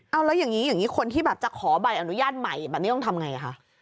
เอาแล้วอย่างนี้อย่างนี้คนที่แบบจะขอใบอนุญาตใหม่แบบนี้ต้องทำไงคะ